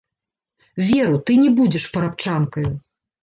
Веру, ты не будзеш парабчанкаю.